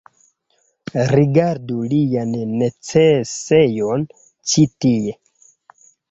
Rigardu lian necesejon ĉi tie